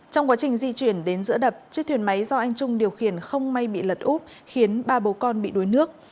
trong quá trình di chuyển đến giữa đập chiếc thuyền máy do anh trung điều khiển không may bị lật úp khiến ba bố con bị đuối nước